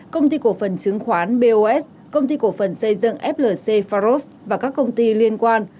công ty cổ phần chứng khoán bos công ty cổ phần xây dựng flc faros và các công ty liên quan